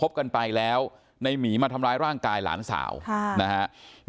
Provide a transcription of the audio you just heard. ส่วนนางสุธินนะครับบอกว่าไม่เคยคาดคิดมาก่อนว่าบ้านเนี่ยจะมาถูกภารกิจนะครับ